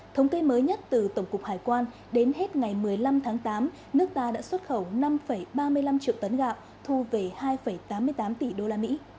thống kê mới nhất từ tổng cục hải quan đến hết ngày một mươi năm tháng tám nước ta đã xuất khẩu năm ba mươi năm triệu tấn gạo thu về hai tám mươi tám tỷ đô la mỹ